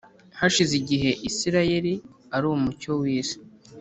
hashize igihe isirayeli ari umucyo w’isi,